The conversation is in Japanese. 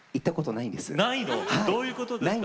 ないの⁉どういうことですか。